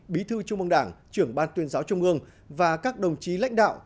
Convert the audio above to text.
bí thư trung mương đảng trưởng ban tuyên giáo trung ương và các đồng chí lãnh đạo